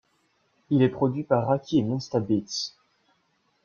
Il est produit par Rahki et Monsta Beatz.